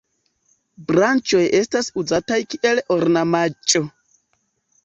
Branĉoj estas uzataj kiel ornamaĵo.